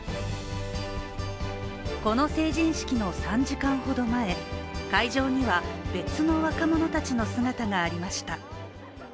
この成人式の３時間ほど前、会場には別の若者たちの姿がありました。